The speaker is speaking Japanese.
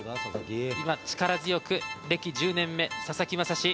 今、力強く歴１０年目、佐々木真志。